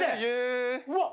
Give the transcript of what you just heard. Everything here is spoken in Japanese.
うわっ！